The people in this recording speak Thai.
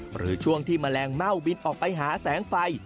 หรือช่วงที่แมลงเม่าบินออกไปหาแสงไฟ